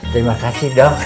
terima kasih dok